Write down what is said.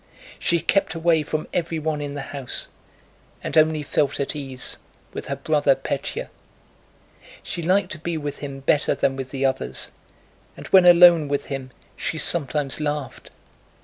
She kept away from everyone in the house and felt at ease only with her brother Pétya. She liked to be with him better than with the others, and when alone with him she sometimes laughed.